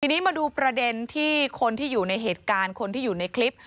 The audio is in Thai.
ทีนี้มาดูประเด็นที่คนที่อยู่ในเหตุการณ์คนที่อยู่ในคลิป